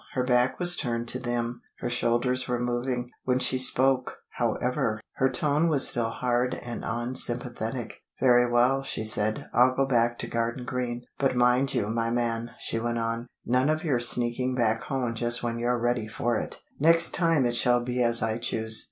Her back was turned to them, her shoulders were moving. When she spoke, however, her tone was still hard and unsympathetic. "Very well," she said, "I'll get back to Garden Green. But mind you, my man," she went on, "none of your sneaking back home just when you're ready for it! Next time it shall be as I choose.